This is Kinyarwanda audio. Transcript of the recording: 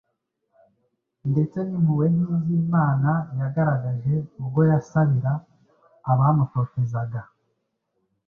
ndetse n’impuhwe nk’iz’Imana yagaragaje ubwo yasabira abamutotezaga.